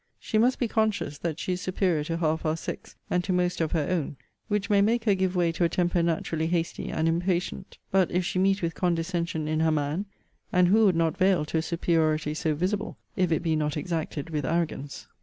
She must be conscious, that she is superior to half our sex, and to most of her own; which may make her give way to a temper naturally hasty and impatient; but, if she meet with condescension in her man, [and who would not veil to a superiority so visible, if it be not exacted with arrogance?